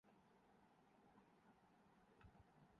لیکن یہ بھی حقیقت ہے۔